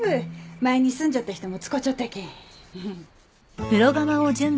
前に住んじょった人も使ちょったけん。